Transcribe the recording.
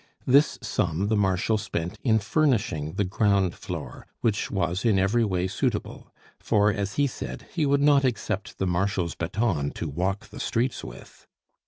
This sum the Marshal spent in furnishing the ground floor, which was in every way suitable; for, as he said, he would not accept the Marshal's baton to walk the streets with.